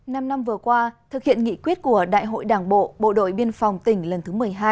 năm năm vừa qua thực hiện nghị quyết của đại hội đảng bộ bộ đội biên phòng tỉnh lần thứ một mươi hai